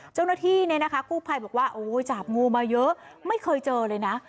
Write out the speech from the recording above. เจ้าหน้าที่เนี่ยนะคะกู้ภัยบอกว่าโอ้ยจับงูมาเยอะไม่เคยเจอเลยนะ